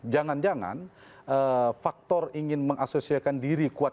jangan jangan faktor ingin mengasosiakan diri kuat